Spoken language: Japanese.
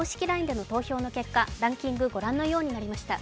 ＬＩＮＥでの投票の結果、ランキング、御覧のようになりました。